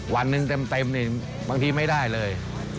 วันหนึ่งเต็มนี่บางทีไม่ได้เลย